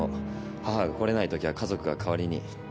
母が来れないときは家族が代わりに。